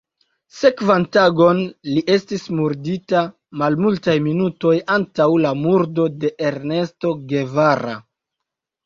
Sekvan tagon li estis murdita malmultaj minutoj antaŭ la murdo de Ernesto Guevara.